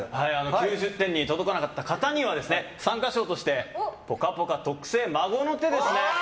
９０点に届かなかった方には参加賞として「ぽかぽか」特製孫の手ですね。